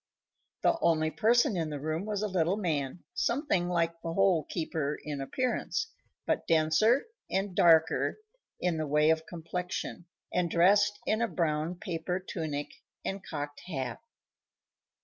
The only person in the room was a little man, something like the Hole keeper in appearance, but denser and darker in the way of complexion, and dressed in a brown paper tunic and cocked hat.